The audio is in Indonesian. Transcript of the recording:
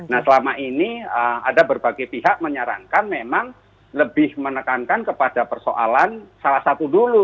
nah selama ini ada berbagai pihak menyarankan memang lebih menekankan kepada persoalan salah satu dulu